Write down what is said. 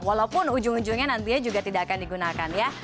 walaupun ujung ujungnya nantinya juga tidak akan digunakan ya